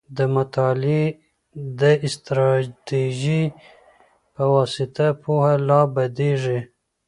د مطالعې د استراتيژۍ په واسطه پوهه لا بدیږي.